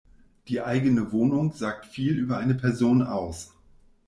Die eigene Wohnung sagt viel über eine Person aus.